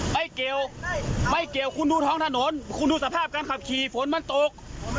ไม่เกี่ยวไม่เกี่ยวคุณดูท้องถนนคุณดูสภาพการขับขี่ฝนมันตก